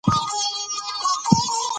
کیمیاګر د طلا جوړولو ماهر دی.